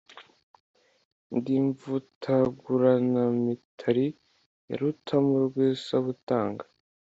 Ndi Mvutaguranamitali ya Rutamu rw'isabutanga